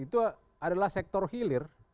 itu adalah sektor hilir